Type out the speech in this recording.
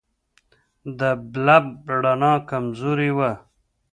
د بلب رڼا کمزورې وه.